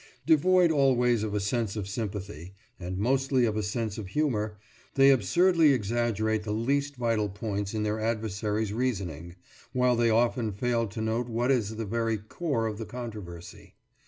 Devoid always of a sense of sympathy, and mostly of a sense of humour, they absurdly exaggerate the least vital points in their adversaries' reasoning, while they often fail to note what is the very core of the controversy.